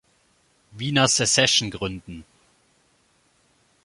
Wiener Secession gründen.